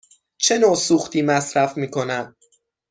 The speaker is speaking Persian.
چه نوع سوختی مصرف می کند؟